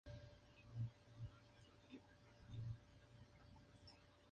Shaw contrajo matrimonio en tres ocasiones.